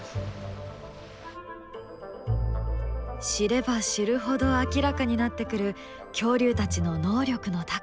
知れば知るほど明らかになってくる恐竜たちの能力の高さ。